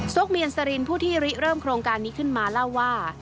เมียนสรินผู้ที่ริเริ่มโครงการนี้ขึ้นมาเล่าว่า